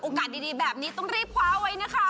ดีแบบนี้ต้องรีบคว้าไว้นะคะ